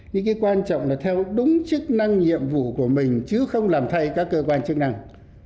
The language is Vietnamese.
nhưng cái quan trọng là theo đúng chức năng nhiệm vụ của mình chứ không làm thay các cơ quan chức năng